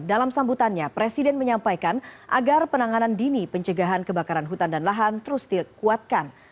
dalam sambutannya presiden menyampaikan agar penanganan dini pencegahan kebakaran hutan dan lahan terus dikuatkan